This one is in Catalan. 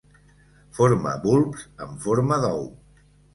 Forma bulbs en forma d'ou.